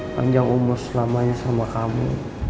panjang umur selamanya sama kamu